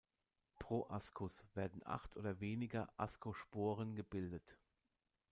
Pro Ascus werden acht oder weniger Ascosporen gebildet.